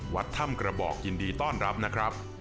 วัดถ้ำกระบอกยินดีต้อนรับนะครับ